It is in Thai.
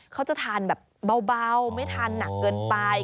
เขาจะทานแบบเบาไม่ทานหนักเกินไป